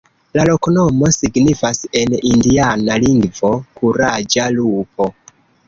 La loknomo signifas en indiana lingvo: kuraĝa lupo.